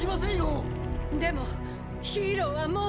でもヒーローはもう。